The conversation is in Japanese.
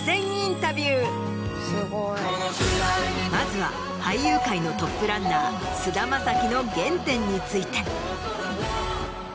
まずは俳優界のトップランナー菅田将暉の原点について。